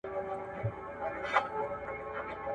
نظري ټولنپوهنه فعلي ګټو ته نه ګوري.